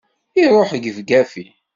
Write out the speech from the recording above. Iruḥ gefgafi!